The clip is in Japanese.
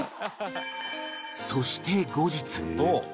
そして後日